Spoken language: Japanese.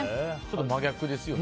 真逆ですよね。